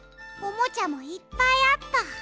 おもちゃもいっぱいあった。